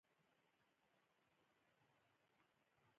ځوانان او پېغلې د ژوند ملګري پیدا کوي.